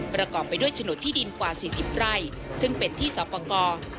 ประกอบไปด้วยฉนดที่ดินกว่า๔๐ไร่ซึ่งเป็นที่สอบประกอบ